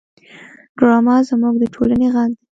ډرامه زموږ د ټولنې غږ دی